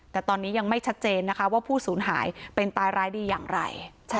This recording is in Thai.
แต่ตอนนี้ยังไม่ชัดเจนนะคะว่าผู้สูญหายเป็นตายร้ายดีอย่างไร